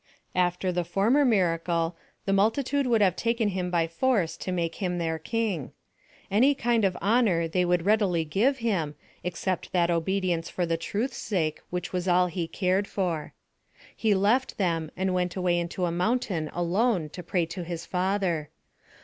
After the former miracle, the multitude would have taken him by force to make him their king. Any kind of honour they would readily give him except that obedience for the truth's sake which was all he cared for. He left them and went away into a mountain alone to pray to his Father.